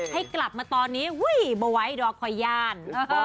ให้กลับมาตอนนี้วุ้ยไม่ไว้ดอกขอยาน